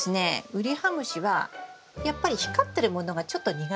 ウリハムシはやっぱり光ってるものがちょっと苦手なんですよ。